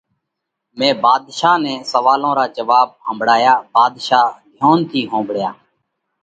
مئين ڀاڌشا نئہ سوئالون را جواٻ ۿمڀۯايا، ڀاڌشا ڌيونَ ٿِي ۿومڀۯيا۔